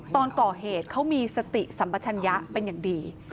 ตอนก่อเหตุเขามีสติสัมปชัญญะเป็นอย่างดี